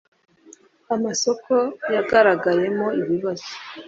Amasoko yagaragayemo ibibazo.